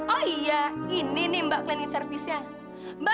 oh iya ini nih mbak cleaning service nya